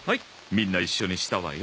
みんな一緒にしたわよ。